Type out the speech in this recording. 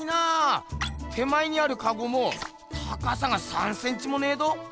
手前にあるかごも高さが３センチもねぇど。